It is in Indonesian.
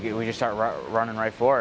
dan kami mulai berlari terus